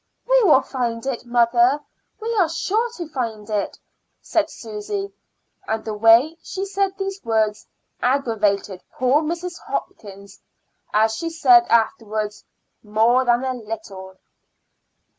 "We will find it, mother; we are sure to find it," said Susy; and the way she said these words aggravated poor Mrs. Hopkins, as she said afterwards, more than a little.